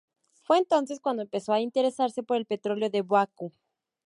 Fue entonces cuando empezó a interesarse por el petróleo de Bakú.